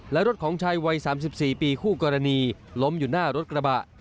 และรถของชายวัย๓๔ปีคู่กรณีล้มอยู่หน้ารถกระบะ